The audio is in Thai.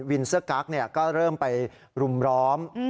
วินเซอร์กั๊กเนี่ยก็เริ่มไปรุมล้อม